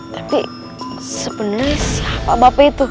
tapi sebenarnya siapa bapak itu